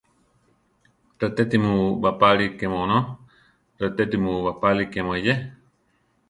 Retéti mu bapáli kemu onó; retéti mu bapáli kemu eyé.